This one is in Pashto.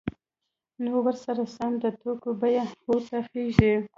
نو ورسره سم د توکو بیه هم پورته خیژي